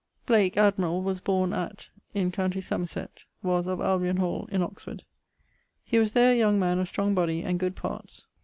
Blake, admirall, was borne at ... in com. Somerset; was of Albon hall, in Oxford. He was there a young man of strong body, and good parts.